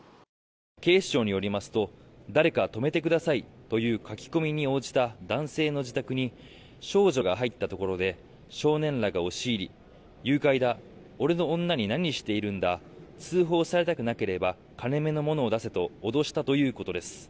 警視庁によりますと誰か泊めてくださいという書き込みに応じた男性の自宅に少女が入ったところで少年らが押し入り誘拐だ俺の女に何をしているんだ通報されたくなければ金目のものを出せと脅したということです。